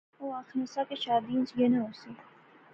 اوہ آخنا سا کہ شادیاں اچ گینا ہوسی